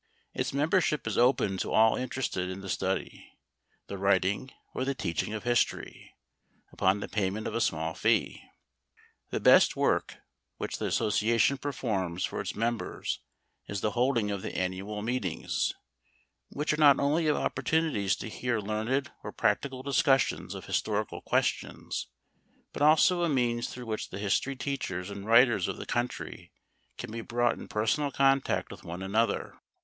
Its membership is open to all interested in the study, the writing, or the teaching of history, upon the payment of a small fee. The best work which the association performs for its members is the holding of the annual meetings, which are not only opportunities to hear learned or practical discussions of historical questions, but also a means through which the history teachers and writers of the country can be brought in personal contact with one another.